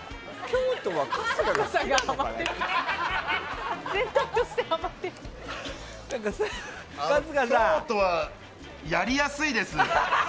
京都はやりやすいです。